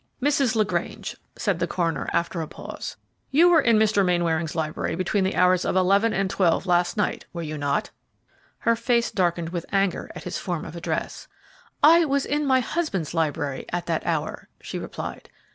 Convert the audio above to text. "Mrs. LaGrange," said the coroner, after a pause, "you were in Mr. Mainwaring's library between the hours of eleven and twelve last night, were you not?" Her face darkened with anger at his form of address. "I was in my husband's library at that hour," she replied.